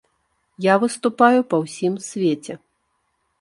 Я выступаю па ўсім свеце.